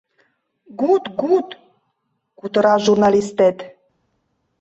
— Гут-гут! — кутыра журналистет.